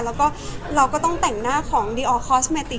พอเสร็จจากเล็กคาเป็ดก็จะมีเยอะแยะมากมาย